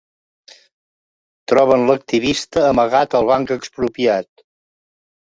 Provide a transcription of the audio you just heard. Troben l'activista amagat al Banc Expropiat